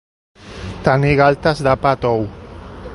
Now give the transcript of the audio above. Tenir galtes de pa tou.